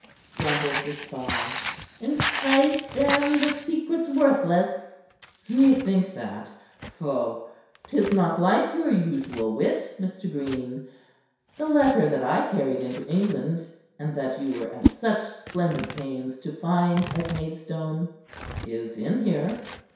grumbled the spy. "I' faith, then, the secret's worthless." "Ye think that? Pho! 'Tis not like your usual wit, Mr. Green. The letter that I carried into England, and that you were at such splendid pains to find at Maidstone, is in here."